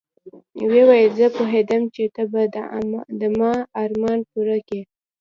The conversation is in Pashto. ويې ويل زه پوهېدم چې ته به د ما ارمان پوره کيې.